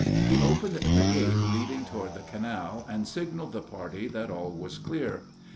He opened the gate leading toward the canal, and signaled the party that all was clear.